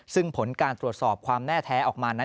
ซึ่งผลการตรวจสอบความแน่แท้ออกมานั้น